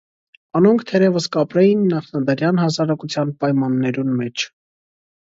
Անոնք թերեւս կ՛ապրէին նախնադարեան հասարակութեան պայմաններուն մէջ։